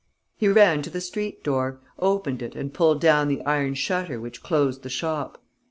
He ran to the street door, opened it and pulled down the iron shutter which closed the shop.